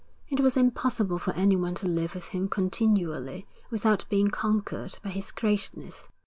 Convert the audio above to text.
It was impossible for anyone to live with him continually without being conquered by his greatness.